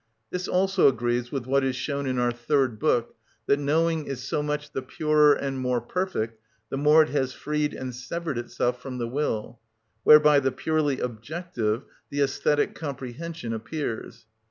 This also agrees with what is shown in our third book, that knowing is so much the purer and more perfect the more it has freed and severed itself from the will, whereby the purely objective, the æsthetic comprehension appears.